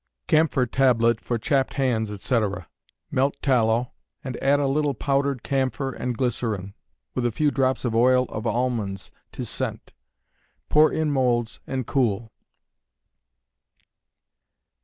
Camphor Tablet for Chapped Hands, etc. Melt tallow, and add a little powdered camphor and glycerine, with a few drops of oil of almonds to scent. Pour in molds and cool.